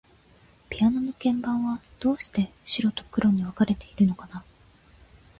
ピアノの鍵盤は、どうして白と黒に分かれているのかな。